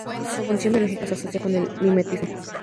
Su función biológica se asocia con el mimetismo.